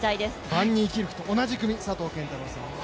バンニーキルクと同じ組、佐藤拳太郎選手。